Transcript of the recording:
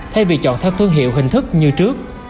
thay vì chọn theo thương hiệu hình thức như trước